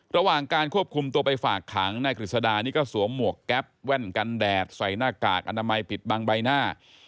ระหว่างการควบคุมตัวไปฝากขังนายกฤษดานี่ก็สวมหมวกแก๊ปแว่นกันแดดใส่หน้ากากอนามัยปิดบังใบหน้า